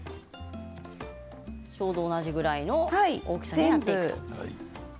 ちょうど同じぐらいの大きさになりますね。